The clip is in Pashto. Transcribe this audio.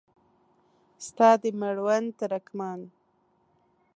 ستا د مړوند ترکمان